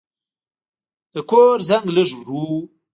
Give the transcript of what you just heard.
د کور زنګ لږ ورو و.